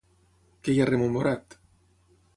Què hi ha rememorat?